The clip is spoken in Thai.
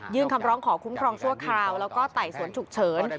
คำร้องขอคุ้มครองชั่วคราวแล้วก็ไต่สวนฉุกเฉิน